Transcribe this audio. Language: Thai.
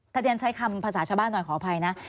ถ้าเรียนใช้คำภาษาชาวบ้านหน่อยขออภัยนะ